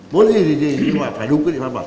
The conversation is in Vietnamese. muốn gì thì phải đúng quyết định pháp luật